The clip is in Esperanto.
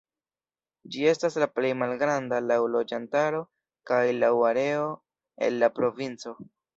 Ĝi estas la plej malgranda laŭ loĝantaro kaj laŭ areo el la provinco.